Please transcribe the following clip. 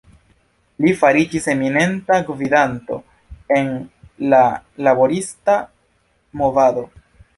Li fariĝis eminenta gvidanto en la laborista movado.